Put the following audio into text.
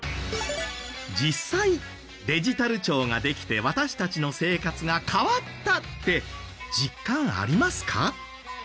実際デジタル庁ができて私たちの生活が変わったって実感ありますか？